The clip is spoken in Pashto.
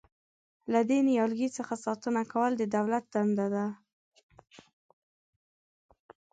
له دې نیالګي څخه ساتنه کول د دولت دنده ده.